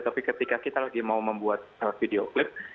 tapi ketika kita lagi mau membuat video klip